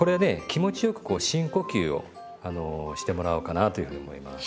気持ちよくこう深呼吸をしてもらおうかなというふうに思います。